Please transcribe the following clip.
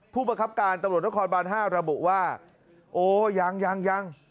ผู้บังคับการตำรวจนครบาน๕ระบุว่าโอ้ยังยัง